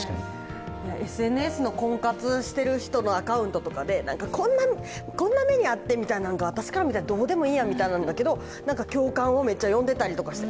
ＳＮＳの婚活している人のアカウントとかでこんな目に遭ってみたいなことは私から見るとどうでもいいやんみたいなものだけれども、共感を呼んだりして